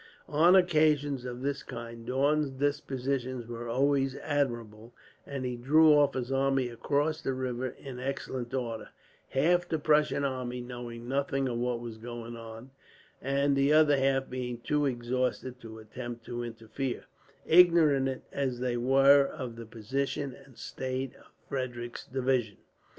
On occasions of this kind Daun's dispositions were always admirable, and he drew off his army across the river in excellent order; half the Prussian army knowing nothing of what was going on, and the other half being too exhausted to attempt to interfere, ignorant as they were of the position and state of Frederick's division.